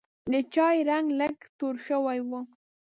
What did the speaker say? د چای رنګ لږ توره شوی و.